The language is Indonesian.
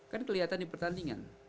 kan kelihatan di pertandingan